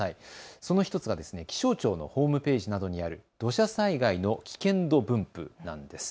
その１つが気象庁のホームページなどにある土砂災害の危険度分布なんです。